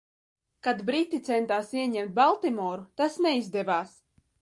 Kad briti centās ieņemt Baltimoru, tas neizdevās.